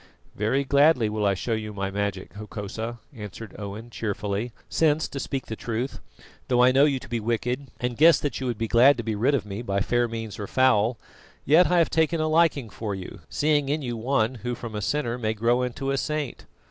"Very gladly will I show you my magic, Hokosa," answered Owen cheerfully, "since, to speak truth, though I know you to be wicked, and guess that you would be glad to be rid of me by fair means or foul; yet I have taken a liking for you, seeing in you one who from a sinner may grow into a saint.